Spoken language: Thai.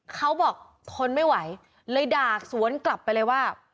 เขาบอกทนไม่ไหวเลยด่าสวนกลับไปเลยว่า